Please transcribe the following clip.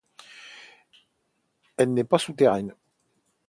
Elle n'est pas souterraine.